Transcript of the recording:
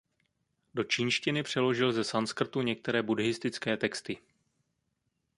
Do čínštiny přeložil ze sanskrtu některé buddhistické texty.